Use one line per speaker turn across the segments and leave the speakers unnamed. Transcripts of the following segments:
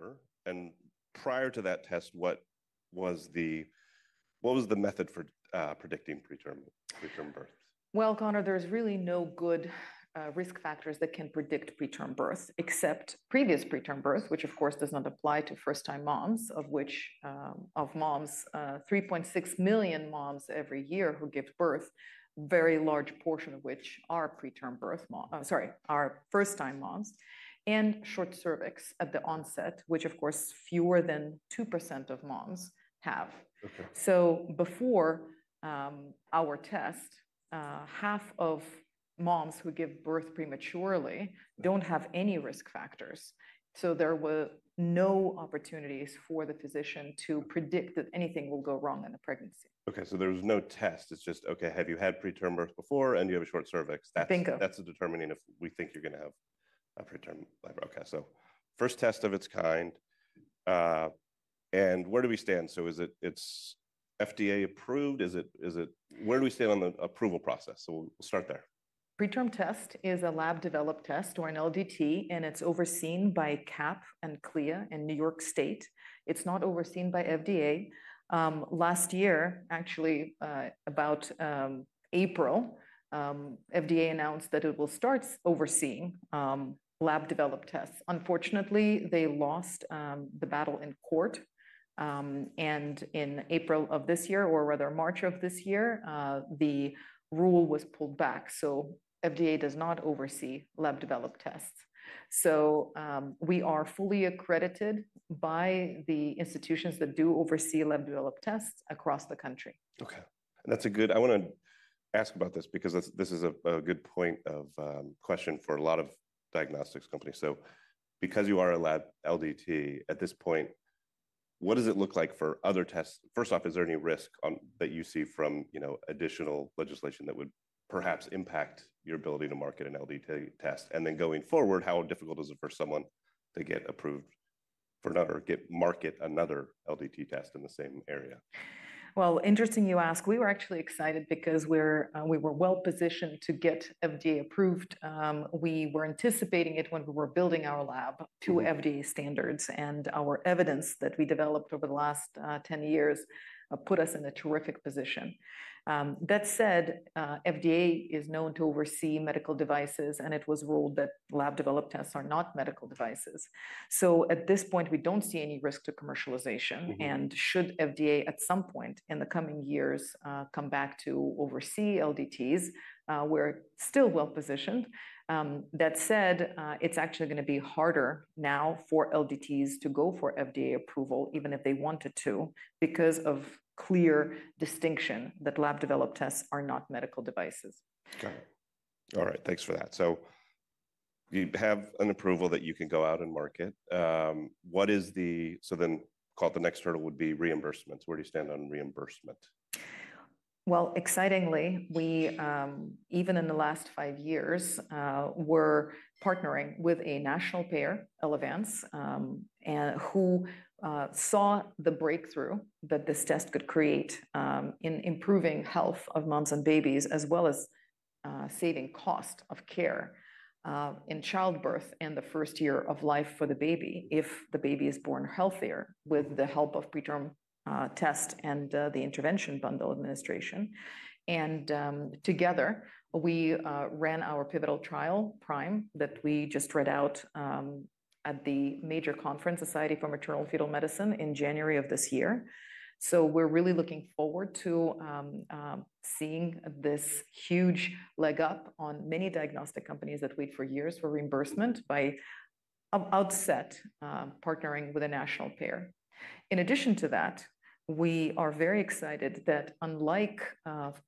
Labor. Prior to that test, what was the method for predicting preterm births?
Connor, there's really no good risk factors that can predict preterm births, except previous preterm births, which, of course, does not apply to first-time moms, of which 3.6 million moms every year who give birth, a very large portion of which are first-time moms, and short cervix at the onset, which, of course, fewer than 2% of moms have. Before our test, half of moms who give birth prematurely don't have any risk factors. There were no opportunities for the physician to predict that anything will go wrong in the pregnancy.
Okay. So there was no test. It's just, okay, have you had preterm births before and do you have a short cervix?
Bingo.
That's determining if we think you're going to have a preterm labor. Okay. First test of its kind. Where do we stand? Is it FDA approved? Where do we stand on the approval process? We'll start there.
PreTRM test is a lab-developed test or an LDT, and it's overseen by CAP and CLIA in New York State. It's not overseen by FDA. Last year, actually, about April, FDA announced that it will start overseeing lab-developed tests. Unfortunately, they lost the battle in court. In April of this year, or rather March of this year, the rule was pulled back. FDA does not oversee lab-developed tests. We are fully accredited by the institutions that do oversee lab-developed tests across the country.
Okay. That's a good—I want to ask about this because this is a good point of question for a lot of diagnostics companies. Because you are a lab LDT at this point, what does it look like for other tests? First off, is there any risk that you see from additional legislation that would perhaps impact your ability to market an LDT test? Going forward, how difficult is it for someone to get approved for another or get to market another LDT test in the same area?
Interesting you ask. We were actually excited because we were well-positioned to get FDA approved. We were anticipating it when we were building our lab to FDA standards. Our evidence that we developed over the last 10 years put us in a terrific position. That said, FDA is known to oversee medical devices, and it was ruled that lab-developed tests are not medical devices. At this point, we do not see any risk to commercialization. Should FDA at some point in the coming years come back to oversee LDTs, we are still well-positioned. That said, it is actually going to be harder now for LDTs to go for FDA approval, even if they wanted to, because of clear distinction that lab-developed tests are not medical devices.
Okay. All right. Thanks for that. You have an approval that you can go out and market. What is the—so then called the next hurdle would be reimbursements. Where do you stand on reimbursement?
Excitingly, even in the last five years, we're partnering with a national payer, Elevance, who saw the breakthrough that this test could create in improving health of moms and babies as well as saving cost of care in childbirth and the first year of life for the baby if the baby is born healthier with the help of PreTRM tests and the intervention bundle administration. Together, we ran our pivotal trial, PRIME, that we just read out at the major conference, Society for Maternal-Fetal Medicine, in January of this year. We're really looking forward to seeing this huge leg up on many diagnostic companies that wait for years for reimbursement by outset partnering with a national payer. In addition to that, we are very excited that unlike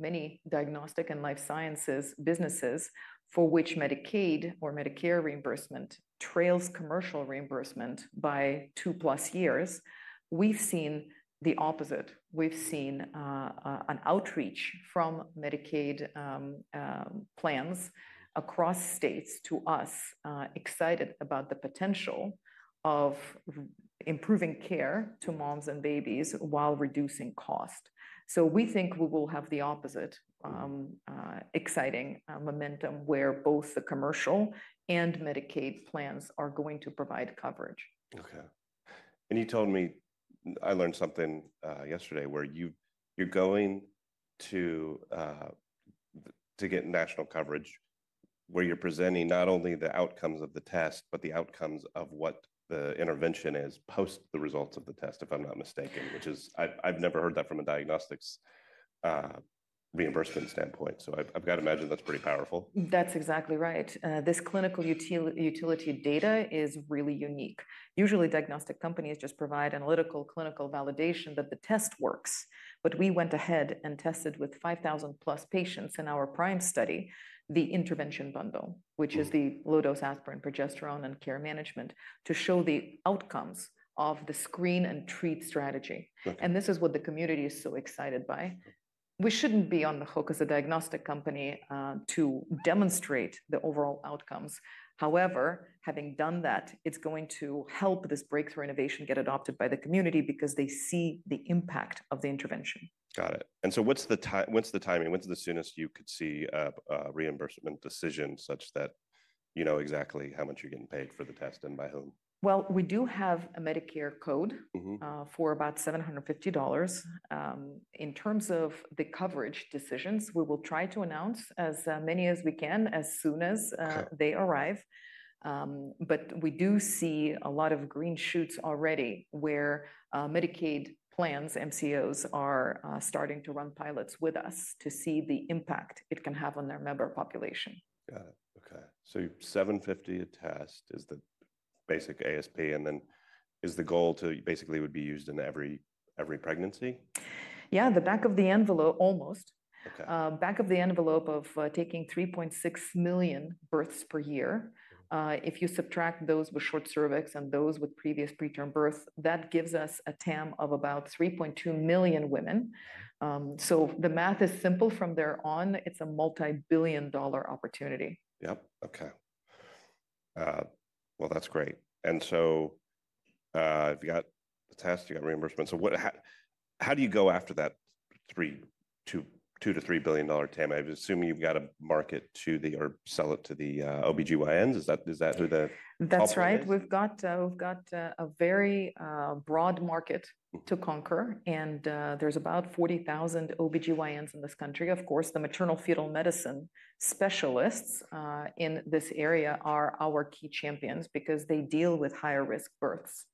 many diagnostic and life sciences businesses for which Medicaid or Medicare reimbursement trails commercial reimbursement by two-plus years, we've seen the opposite. We've seen an outreach from Medicaid plans across states to us excited about the potential of improving care to moms and babies while reducing cost. We think we will have the opposite exciting momentum where both the commercial and Medicaid plans are going to provide coverage.
Okay. You told me I learned something yesterday where you're going to get national coverage where you're presenting not only the outcomes of the test, but the outcomes of what the intervention is post the results of the test, if I'm not mistaken, which is I've never heard that from a diagnostics reimbursement standpoint. I have to imagine that's pretty powerful.
That's exactly right. This clinical utility data is really unique. Usually, diagnostic companies just provide analytical clinical validation that the test works. We went ahead and tested with 5,000+ patients in our PRIME study, the intervention bundle, which is the low-dose aspirin, progesterone, and care management to show the outcomes of the screen and treat strategy. This is what the community is so excited by. We shouldn't be on the hook as a diagnostic company to demonstrate the overall outcomes. However, having done that, it's going to help this breakthrough innovation get adopted by the community because they see the impact of the intervention.
Got it. What's the timing? When's the soonest you could see a reimbursement decision such that you know exactly how much you're getting paid for the test and by whom?
We do have a Medicare code for about $750. In terms of the coverage decisions, we will try to announce as many as we can as soon as they arrive. We do see a lot of green shoots already where Medicaid plans, MCOs, are starting to run pilots with us to see the impact it can have on their member population.
Got it. Okay. So $750 a test is the basic ASP. And then is the goal to basically would be used in every pregnancy?
Yeah, the back of the envelope, almost. Back of the envelope of taking 3.6 million births per year. If you subtract those with short cervix and those with previous preterm births, that gives us a TAM of about 3.2 million women. The math is simple from there on. It's a multi-billion dollar opportunity.
Yep. Okay. That's great. If you got the test, you got reimbursement. How do you go after that $2 billion-$3 billion TAM? I assume you've got to market to or sell it to the OBGYNs. Is that who the help is?
That's right. We've got a very broad market to conquer. There's about 40,000 OBGYNs in this country. Of course, the maternal fetal medicine specialists in this area are our key champions because they deal with higher risk births.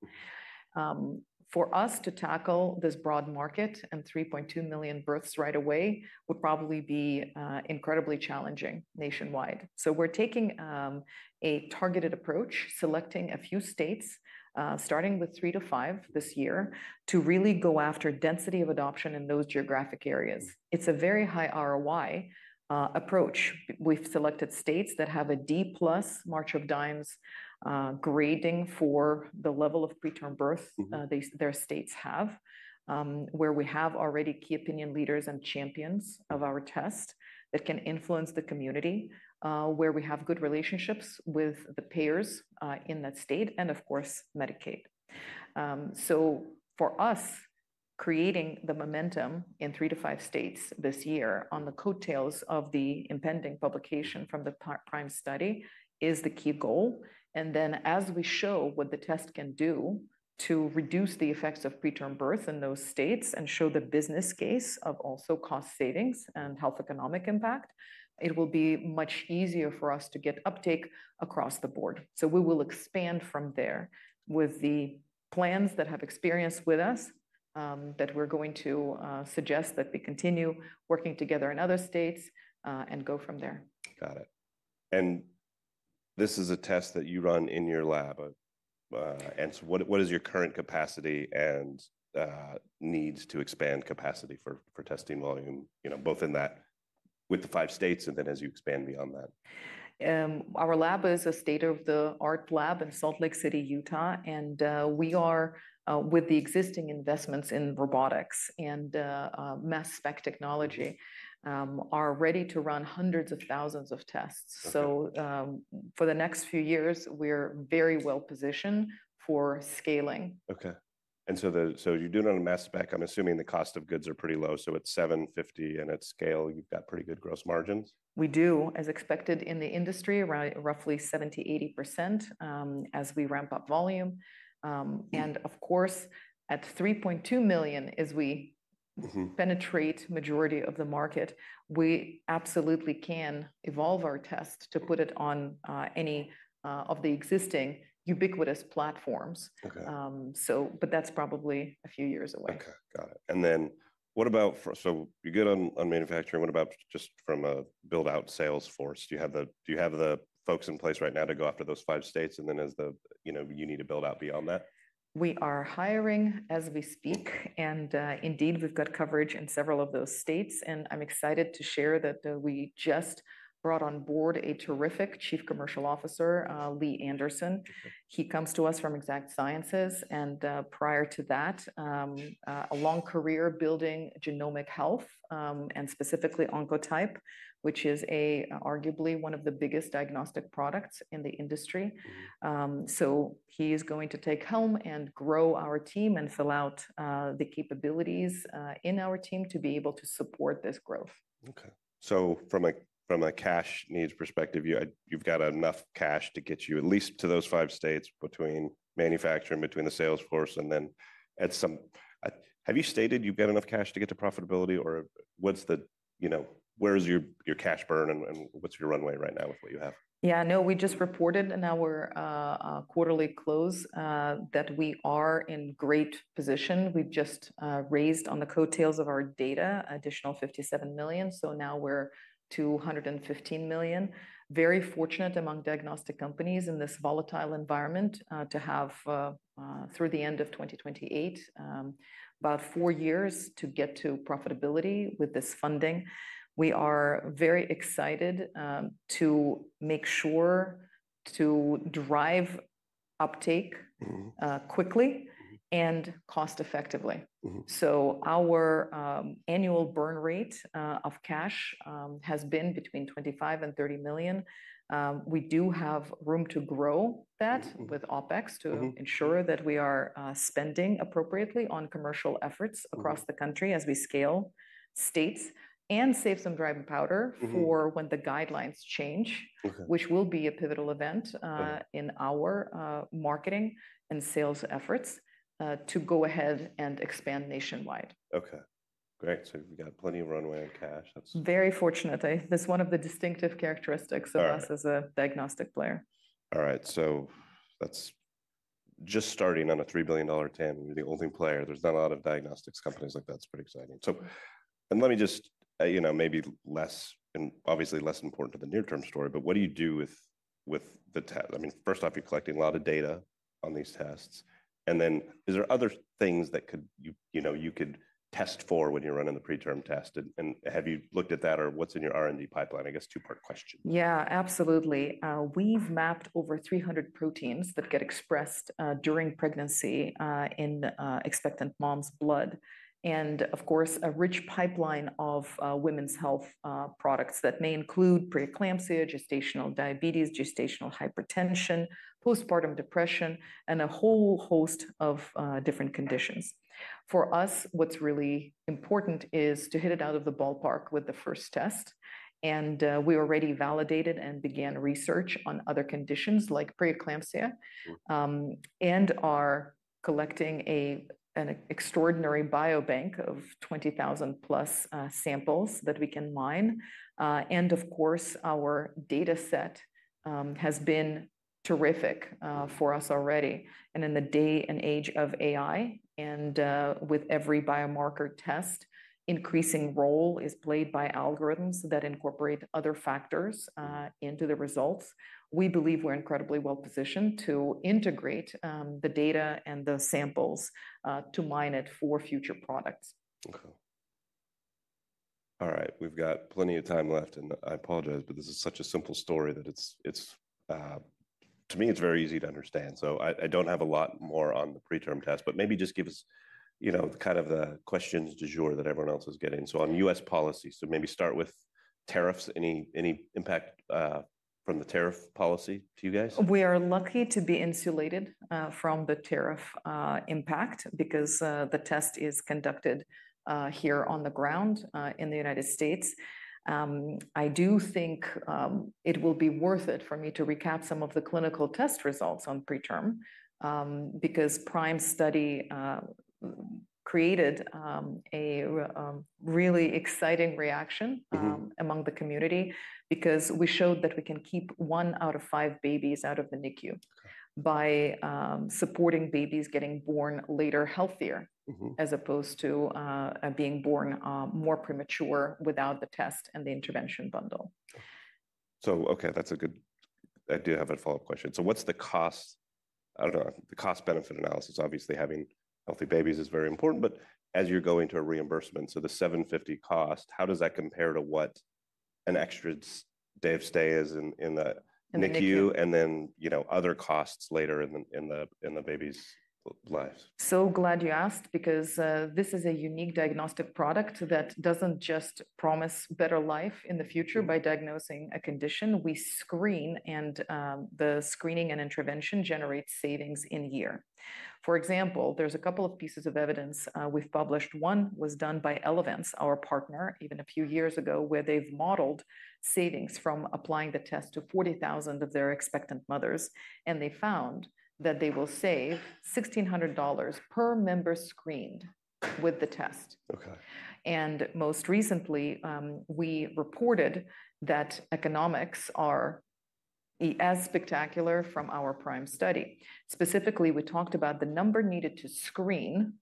For us to tackle this broad market and 3.2 million births right away would probably be incredibly challenging nationwide. We are taking a targeted approach, selecting a few states, starting with three to five this year to really go after density of adoption in those geographic areas. It's a very high ROI approach. We've selected states that have a D+ March of Dimes grading for the level of preterm birth their states have, where we have already key opinion leaders and champions of our test that can influence the community, where we have good relationships with the payers in that state, and of course, Medicaid. For us, creating the momentum in three to five states this year on the coattails of the impending publication from the PRIME study is the key goal. As we show what the test can do to reduce the effects of preterm births in those states and show the business case of also cost savings and health economic impact, it will be much easier for us to get uptake across the board. We will expand from there with the plans that have experience with us that we're going to suggest that we continue working together in other states and go from there.
Got it. This is a test that you run in your lab. What is your current capacity and needs to expand capacity for testing volume, both with the five states and then as you expand beyond that?
Our lab is a state-of-the-art lab in Salt Lake City, Utah. We are, with the existing investments in robotics and mass spec technology, ready to run hundreds of thousands of tests. For the next few years, we're very well-positioned for scaling.
Okay. And so you're doing it on a mass spec. I'm assuming the cost of goods are pretty low. So at $750 and at scale, you've got pretty good gross margins?
We do, as expected in the industry, roughly 70%-80% as we ramp up volume. At 3.2 million, as we penetrate the majority of the market, we absolutely can evolve our test to put it on any of the existing ubiquitous platforms. That is probably a few years away.
Okay. Got it. What about, so you're good on manufacturing. What about just from a build-out sales force? Do you have the folks in place right now to go after those five states? And then as you need to build out beyond that?
We are hiring as we speak. Indeed, we've got coverage in several of those states. I'm excited to share that we just brought on board a terrific Chief Commercial Officer, Lee Anderson. He comes to us from Exact Sciences. Prior to that, a long career building Genomic Health and specifically Oncotype, which is arguably one of the biggest diagnostic products in the industry. He is going to take home and grow our team and fill out the capabilities in our team to be able to support this growth.
Okay. So from a cash needs perspective, you've got enough cash to get you at least to those five states between manufacturing, between the sales force, and then at some have you stated you've got enough cash to get to profitability? Or where is your cash burn? And what's your runway right now with what you have?
Yeah. No, we just reported in our quarterly close that we are in great position. We just raised on the coattails of our data additional $57 million. So now we're $215 million. Very fortunate among diagnostic companies in this volatile environment to have through the end of 2028, about four years to get to profitability with this funding. We are very excited to make sure to drive uptake quickly and cost-effectively. Our annual burn rate of cash has been between $25-$30 million. We do have room to grow that with OpEx to ensure that we are spending appropriately on commercial efforts across the country as we scale states and save some dry powder for when the guidelines change, which will be a pivotal event in our marketing and sales efforts to go ahead and expand nationwide.
Okay. Great. So we've got plenty of runway and cash.
Very fortunate. That is one of the distinctive characteristics of us as a diagnostic player.
All right. That's just starting on a $3 billion TAM. You're the only player. There's not a lot of diagnostics companies like that. It's pretty exciting. Let me just maybe less and obviously less important to the near-term story, but what do you do with the test? I mean, first off, you're collecting a lot of data on these tests. Then is there other things that you could test for when you're running the preterm test? Have you looked at that? Or what's in your R&D pipeline? I guess two-part question.
Yeah, absolutely. We've mapped over 300 proteins that get expressed during pregnancy in expectant moms' blood. Of course, a rich pipeline of women's health products that may include preeclampsia, gestational diabetes, gestational hypertension, postpartum depression, and a whole host of different conditions. For us, what's really important is to hit it out of the ballpark with the first test. We already validated and began research on other conditions like preeclampsia and are collecting an extraordinary biobank of 20,000+ samples that we can mine. Of course, our data set has been terrific for us already. In the day and age of AI and with every biomarker test, increasing role is played by algorithms that incorporate other factors into the results. We believe we're incredibly well-positioned to integrate the data and the samples to mine it for future products.
Okay. All right. We've got plenty of time left. I apologize, but this is such a simple story that to me, it's very easy to understand. I don't have a lot more on the PreTRM test. Maybe just give us kind of the questions du jour that everyone else is getting. On U.S. policy, maybe start with tariffs. Any impact from the tariff policy to you guys?
We are lucky to be insulated from the tariff impact because the test is conducted here on the ground in the United States. I do think it will be worth it for me to recap some of the clinical test results on PreTRM because the PRIME study created a really exciting reaction among the community because we showed that we can keep one out of five babies out of the NICU by supporting babies getting born later healthier as opposed to being born more premature without the test and the intervention bundle.
Okay, that's a good idea to have a follow-up question. What's the cost? I don't know. The cost-benefit analysis, obviously, having healthy babies is very important. As you're going to a reimbursement, the $750 cost, how does that compare to what an extra day of stay is in the NICU and then other costs later in the baby's lives?
Glad you asked because this is a unique diagnostic product that doesn't just promise better life in the future by diagnosing a condition. We screen, and the screening and intervention generates savings in a year. For example, there's a couple of pieces of evidence we've published. One was done by Elevance, our partner, even a few years ago, where they've modeled savings from applying the test to 40,000 of their expectant mothers. They found that they will save $1,600 per member screened with the test. Most recently, we reported that economics are as spectacular from our PRIME study. Specifically, we talked about the number needed to screen,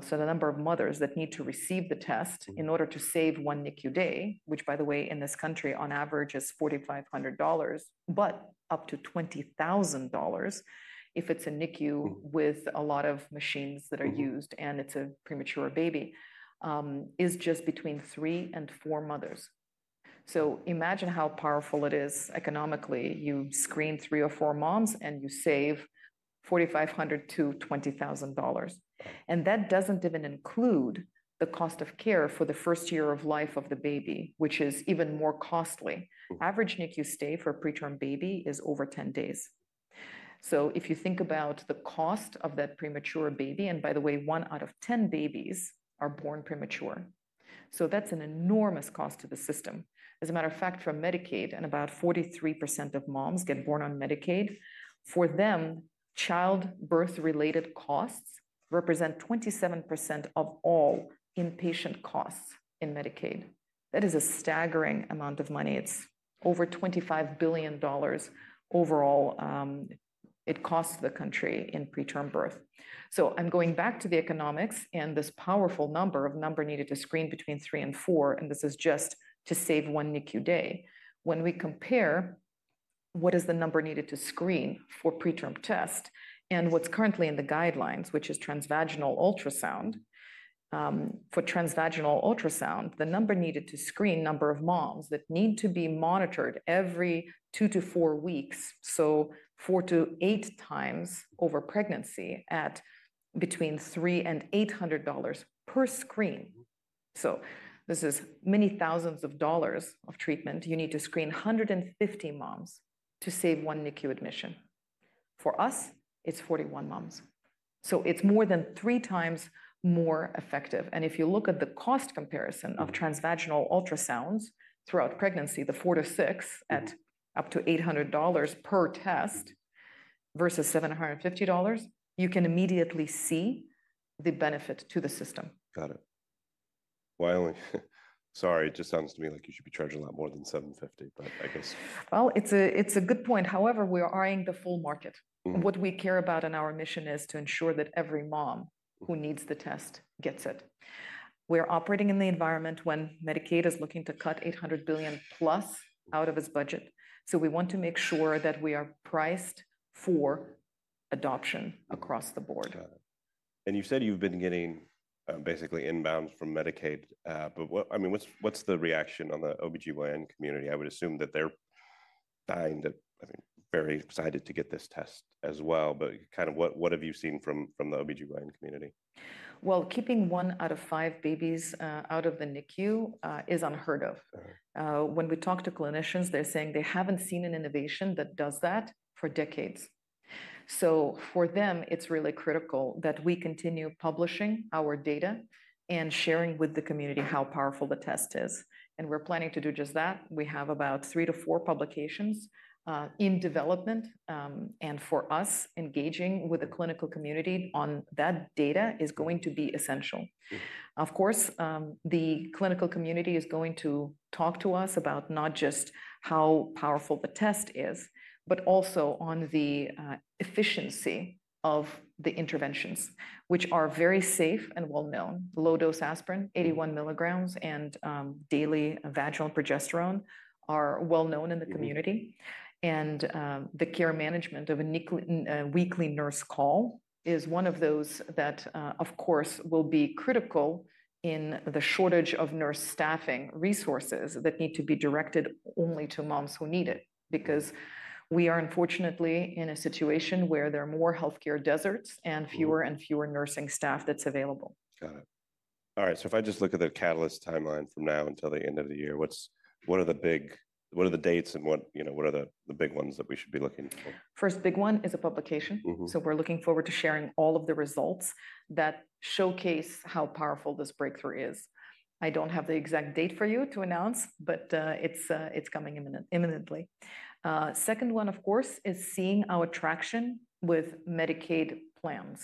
so the number of mothers that need to receive the test in order to save one NICU day, which, by the way, in this country, on average is $4,500, but up to $20,000 if it's a NICU with a lot of machines that are used and it's a premature baby, is just between three and four mothers. Imagine how powerful it is economically. You screen three or four moms, and you save $4,500-$20,000. That doesn't even include the cost of care for the first year of life of the baby, which is even more costly. Average NICU stay for a preterm baby is over 10 days. If you think about the cost of that premature baby, and by the way, one out of 10 babies are born premature. That's an enormous cost to the system. As a matter of fact, from Medicaid, and about 43% of moms get born on Medicaid, for them, childbirth-related costs represent 27% of all inpatient costs in Medicaid. That is a staggering amount of money. It's over $25 billion overall it costs the country in preterm birth. I'm going back to the economics and this powerful number of number needed to screen between three and four. This is just to save one NICU day. When we compare what is the number needed to screen for preterm test and what's currently in the guidelines, which is transvaginal ultrasound, for transvaginal ultrasound, the number needed to screen number of moms that need to be monitored every two to four weeks, so 4x-8x over pregnancy at between $300 and $800 per screen. This is many thousands of dollars of treatment. You need to screen 150 moms to save one NICU admission. For us, it's 41 moms. It is more than three times more effective. If you look at the cost comparison of transvaginal ultrasounds throughout pregnancy, the four to six at up to $800 per test versus $750, you can immediately see the benefit to the system.
Got it. Sorry, it just sounds to me like you should be charging a lot more than $750, but I guess.
It's a good point. However, we are eyeing the full market. What we care about in our mission is to ensure that every mom who needs the test gets it. We are operating in the environment when Medicaid is looking to cut $800 billion plus out of its budget. We want to make sure that we are priced for adoption across the board.
You said you've been getting basically inbounds from Medicaid. I mean, what's the reaction on the OB/GYN community? I would assume that they're dying to, I mean, very excited to get this test as well. Kind of what have you seen from the OB/GYN community?
Keeping one out of five babies out of the NICU is unheard of. When we talk to clinicians, they're saying they haven't seen an innovation that does that for decades. For them, it's really critical that we continue publishing our data and sharing with the community how powerful the test is. We're planning to do just that. We have about three to four publications in development. For us, engaging with the clinical community on that data is going to be essential. Of course, the clinical community is going to talk to us about not just how powerful the test is, but also on the efficiency of the interventions, which are very safe and well-known. Low-dose aspirin, 81 mg, and daily vaginal progesterone are well-known in the community. The care management of a weekly nurse call is one of those that, of course, will be critical in the shortage of nurse staffing resources that need to be directed only to moms who need it because we are unfortunately in a situation where there are more healthcare deserts and fewer and fewer nursing staff that's available.
Got it. All right. If I just look at the Catalyst timeline from now until the end of the year, what are the big, what are the dates and what are the big ones that we should be looking for?
First big one is a publication. We're looking forward to sharing all of the results that showcase how powerful this breakthrough is. I don't have the exact date for you to announce, but it's coming imminently. Second one, of course, is seeing our traction with Medicaid plans,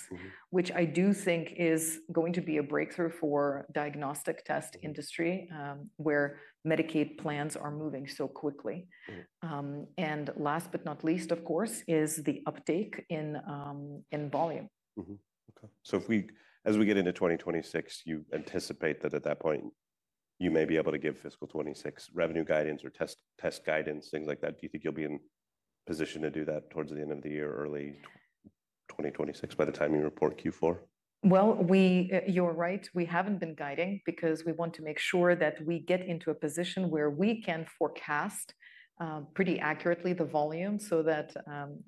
which I do think is going to be a breakthrough for the diagnostic test industry where Medicaid plans are moving so quickly. Last but not least, of course, is the uptake in volume.
Okay. As we get into 2026, you anticipate that at that point, you may be able to give fiscal 2026 revenue guidance or test guidance, things like that. Do you think you'll be in position to do that towards the end of the year, early 2026, by the time you report Q4?
You're right. We haven't been guiding because we want to make sure that we get into a position where we can forecast pretty accurately the volume so that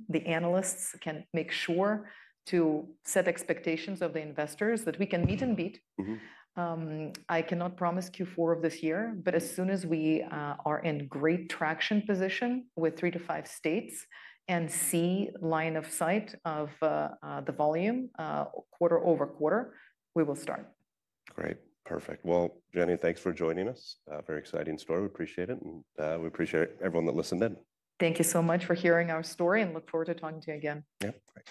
the analysts can make sure to set expectations of the investors that we can meet and beat. I cannot promise Q4 of this year. As soon as we are in great traction position with three to five states and see line of sight of the volume quarter-over-quarter, we will start.
Great. Perfect. Zhenya, thanks for joining us. Very exciting story. We appreciate it. We appreciate everyone that listened in.
Thank you so much for hearing our story. I look forward to talking to you again.
Yeah.